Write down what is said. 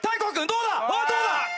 どうだ？